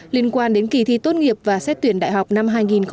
liên quan đến kỳ thi tốt nghiệp và xét tuyển đại học năm hai nghìn một mươi bảy